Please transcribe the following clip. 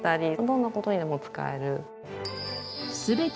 どんな事にでも使える。